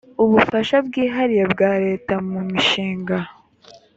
ubufasha bwihariye bwa leta mu mishinga